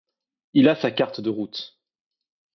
Il a sa carte de route.